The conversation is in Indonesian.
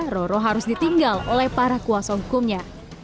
roro harus ditinggal oleh para kuasa hukumnya